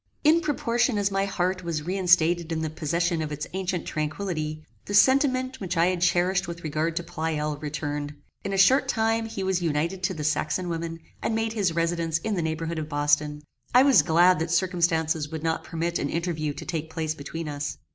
In proportion as my heart was reinstated in the possession of its ancient tranquillity, the sentiment which I had cherished with regard to Pleyel returned. In a short time he was united to the Saxon woman, and made his residence in the neighbourhood of Boston. I was glad that circumstances would not permit an interview to take place between us.